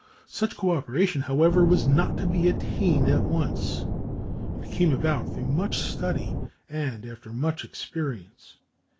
Such cooperation, however, was not to be attained at once. It came about through much study and after much experience.